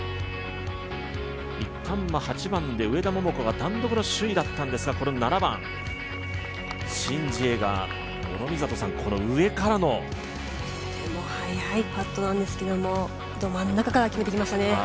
一旦は８番で上田桃子が単独の首位だったんですが、この７番、シン・ジエが上からの。とても速いパットなんですけれども、ど真ん中から決めてきましたね。